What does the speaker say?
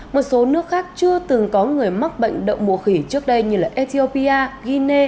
một số nước khác chưa từng có người mắc bệnh đậu mùa khỉ trước đây như ethiopia guinea